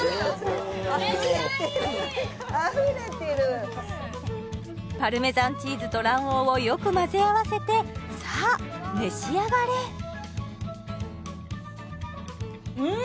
あふれてるパルメザンチーズと卵黄をよく混ぜ合わせてさあ召し上がれうん！